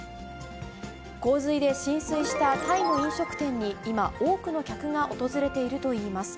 洪水で浸水したタイの飲食店に今、多くの客が訪れているといいます。